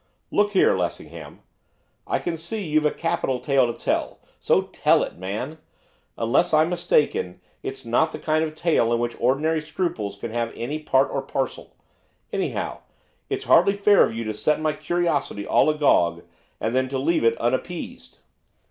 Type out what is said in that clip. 'Look here, Lessingham, I can see you've a capital tale to tell, so tell it, man! Unless I'm mistaken, it's not the kind of tale in which ordinary scruples can have any part or parcel, anyhow, it's hardly fair of you to set my curiosity all agog, and then to leave it unappeased.